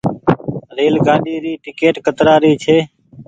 ريل گآڏي ري ٽيڪٽ ڪترآ ري ڇي۔